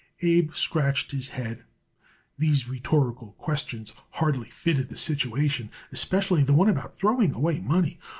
Abe scratched his head. These rhetorical questions hardly fitted the situation, especially the one about throwing away money.